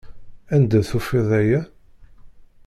Anda tufiḍ aya?